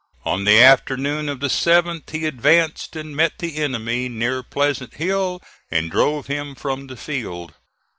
On the afternoon of the 7th, he advanced and met the enemy near Pleasant Hill, and drove him from the field.